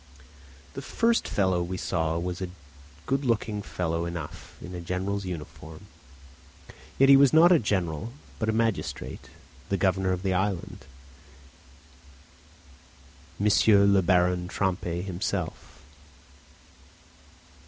The first man we saw was a good looking fellow enough, in a general's uniform. Yet he was not a general but a magistrate, the Governor of the island, M. le Baron Trampe himself.